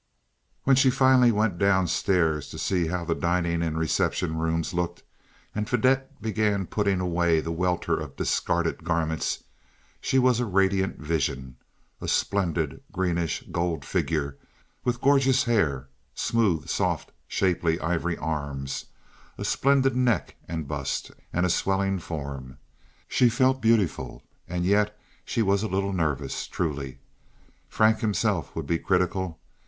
When she finally went down stairs to see how the dining and reception rooms looked, and Fadette began putting away the welter of discarded garments—she was a radiant vision—a splendid greenish gold figure, with gorgeous hair, smooth, soft, shapely ivory arms, a splendid neck and bust, and a swelling form. She felt beautiful, and yet she was a little nervous—truly. Frank himself would be critical.